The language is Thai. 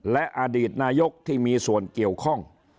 และอดีตนายกที่มีส่วนเกี่ยวข้อง